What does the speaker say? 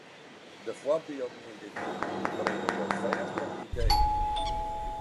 De foarbylden yn dit boek bringe jo fêst op ideeën.